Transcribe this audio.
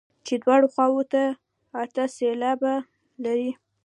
چې دواړو خواوو ته اته سېلابه لري.